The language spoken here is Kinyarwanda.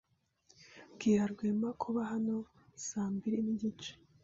Bwira Rwema kuba hano saa mbiri n'igice.